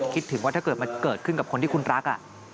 คิดถึงว่าถ้าเกิดมันเกิดขึ้นกับคนที่คุณรัก